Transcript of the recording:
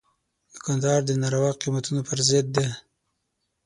دوکاندار د ناروا قیمتونو پر ضد دی.